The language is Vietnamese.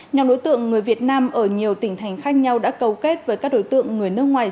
nhóm đối tượng người việt nam ở nhiều tỉnh thành khác nhau đã cấu kết với các đối tượng người nước ngoài